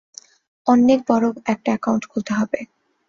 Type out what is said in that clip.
অন্নেক বড়ড়ড় একটা একাউন্ট খুলতে হবে।